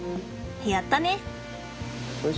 やったね！